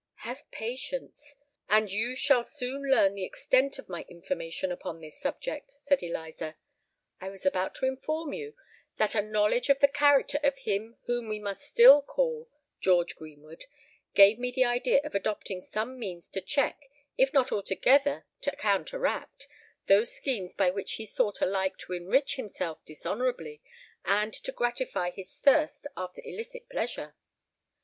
"Have patience—and you shall soon learn the extent of my information upon this subject," said Eliza. "I was about to inform you that a knowledge of the character of him whom we must still call George Greenwood, gave me the idea of adopting some means to check, if not altogether to counteract, those schemes by which he sought alike to enrich himself dishonourably and to gratify his thirst after illicit pleasure.